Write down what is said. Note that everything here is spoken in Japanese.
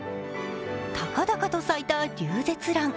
高々と咲いたリュウゼツラン。